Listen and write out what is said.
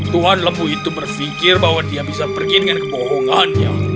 tuhan lembu itu berpikir bahwa dia bisa pergi dengan kebohongannya